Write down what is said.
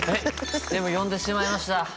でも呼んでしまいました。